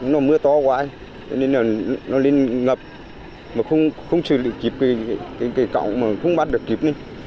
nó mưa to quá nên nó lên ngập không xử lý kịp cái cỏng mà không bắt được kịp